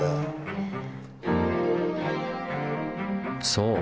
そう！